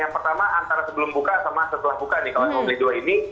yang pertama antara sebelum buka sama setelah buka nih kalau mau beli dua ini